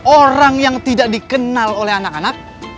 orang yang tidak dikenal oleh anak anak